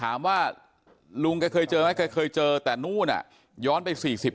แล้วท่านผู้ชมครับบอกว่าตามความเชื่อขายใต้ตัวนะครับ